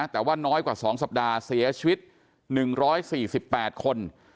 แต่ว่าน้อยกว่า๒สัปดาห์เสียชีวิต๑๔๘คน